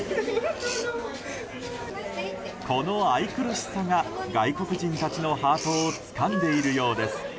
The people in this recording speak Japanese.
この愛くるしさが外国人たちのハートをつかんでいるようです。